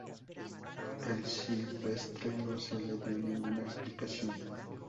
A Sylvestre no se le dio ninguna explicación.